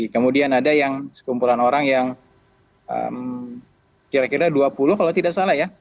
kemudian ada yang sekumpulan orang yang kira kira dua puluh kalau tidak salah ya